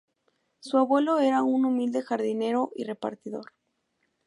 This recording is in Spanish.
Su abuelo era un humilde jardinero y repartidor.